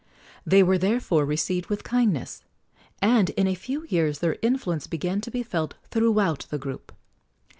They were therefore received with kindness, and in a few years their influence began to be felt throughout the group.